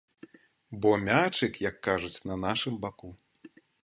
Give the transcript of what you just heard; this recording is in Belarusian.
Бо мячык, як кажуць, на нашым баку.